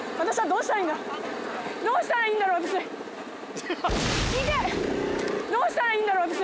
どうしたらいいんだろう私